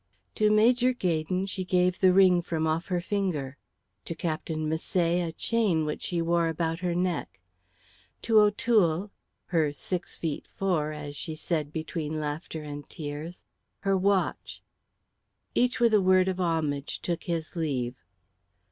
To Major Gaydon she gave a ring from off her finger, to Captain Misset a chain which she wore about her neck, to O'Toole, "her six feet four," as she said between laughter and tears, her watch. Each with a word of homage took his leave.